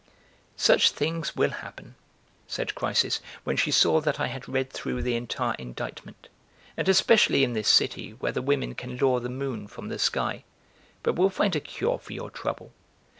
"Such things will happen," said Chrysis, when she saw that I had read through the entire inditement, "and especially in this city, where the women can lure the moon from the sky! But we'll find a cure for your trouble.